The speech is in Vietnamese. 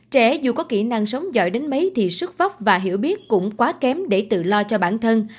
trẻ dù có kỹ năng sống giỏi đến mấy thì sức vóc và hiểu biết cũng quá kém để tự lo cho bản thân